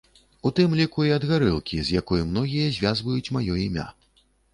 У тым ліку і ад гарэлкі, з якой многія звязваюць маё імя.